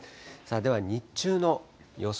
では日中の予想